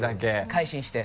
改心して。